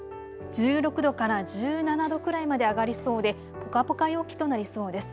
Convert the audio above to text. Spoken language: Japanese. １６度から１７度くらいまで上がりそうでぽかぽか陽気となりそうです。